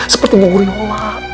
seperti bu guriola